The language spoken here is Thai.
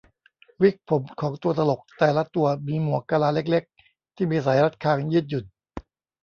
วิกผมของตัวตลกแต่ละตัวมีหมวกกะลาเล็ก ๆ ที่มีสายรัดคางยืดหยุ่น